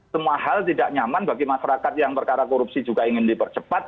semua hal tidak nyaman bagi masyarakat yang perkara korupsi juga ingin dipercepat